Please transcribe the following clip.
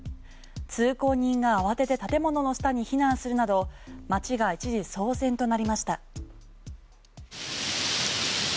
通行人が慌てて建物の下に避難するなど街が一時騒然となりました。